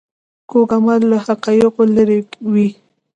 کوږ عمل له حقایقو لیرې وي